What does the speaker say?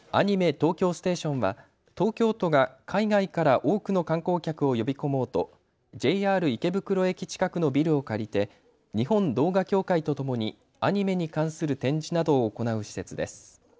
東京ステーションは東京都が海外から多くの観光客を呼び込もうとＪＲ池袋駅近くのビルを借りて日本動画協会とともにアニメに関する展示などを行う施設です。